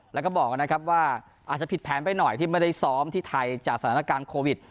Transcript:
แล้วก็บอกนะครับว่าอาจจะผิดแผนไปหน่อยที่ไม่ได้ซ้อมที่ไทยจากสถานการณ์โควิด